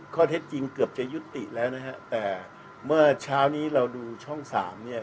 ข้อเท็จจริงเกือบจะยุติแล้วนะฮะแต่เมื่อเช้านี้เราดูช่องสามเนี่ย